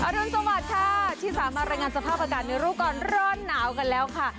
รุนสวัสดิ์ค่ะที่สามารถรายงานสภาพอากาศในรู้ก่อนร้อนหนาวกันแล้วค่ะ